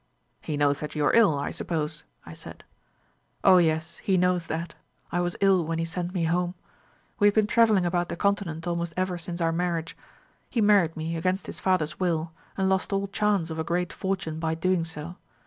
"'He knows that you are ill, I suppose?' I said. "'O yes, he knows that. I was ill when he sent me home. We had been travelling about the Continent almost ever since our marriage. He married me against his father's will, and lost all chance of a great fortune by doing so.